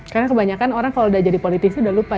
karena kebanyakan orang kalau udah jadi politisi udah lupa